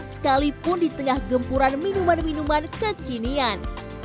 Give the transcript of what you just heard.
sekalipun di tengah gempuran minuman minuman kekinian